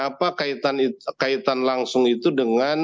apa kaitan langsung itu dengan